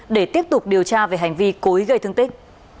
để tiếp tục điều tra về hành vi cối gây thương tích